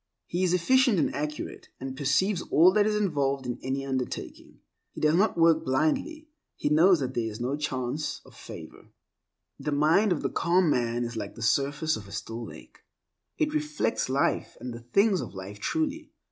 He is efficient and accurate, and perceives all that is involved in any undertaking. He does not work blindly; he knows that there is no chance of favor. The mind of the calm man is like the surface of a still lake; it reflects life and the things of life truly.